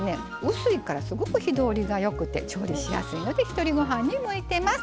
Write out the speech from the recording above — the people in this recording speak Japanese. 薄いからすごく火通りがよくて調理しやすいのでひとりごはんに向いてます。